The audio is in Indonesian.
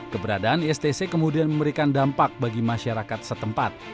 keberadaan istc kemudian memberikan dampak bagi masyarakat setempat